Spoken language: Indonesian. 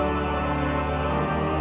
tuhan yang dipercaya